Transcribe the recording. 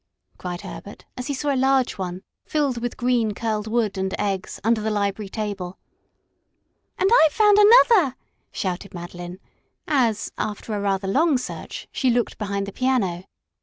cried Herbert, as he saw a large one, filled with green curled wood and eggs, under the library table. "And I've found another!" shouted Madeline, as, after rather a long search, she looked behind the piano.